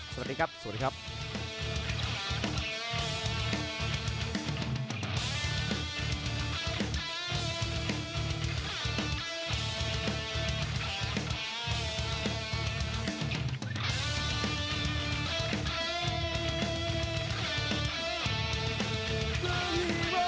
สวัสดีครับสวัสดีครับ